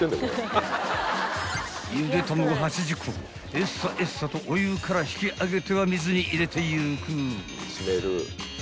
［ゆで卵８０個えっさえっさとお湯から引きあげては水に入れていく］